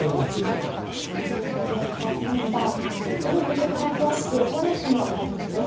ではここから詳しく蓬莱さんの解説です。